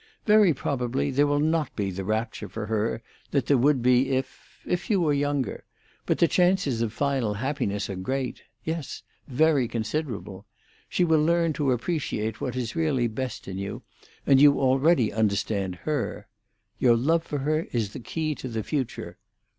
Very probably there will not be the rapture for her that there would be if—if you were younger; but the chances of final happiness are great—yes, very considerable. She will learn to appreciate what is really best in you, and you already understand her. Your love for her is the key to the future.